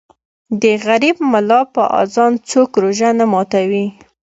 ـ د غریب ملا په اذان څوک روژه نه ماتوي.